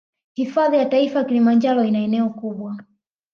Hifadhi ya taifa kilimanjaro ina eneo kubwa